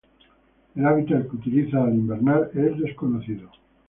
El hábitat que utiliza al invernar es desconocido.